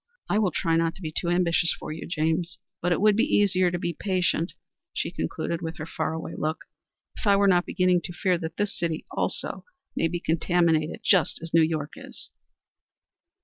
I will try not to be too ambitious for you, James; but it would be easier to be patient," she concluded, with her far away look, "if I were not beginning to fear that this city also may be contaminated just as New York is."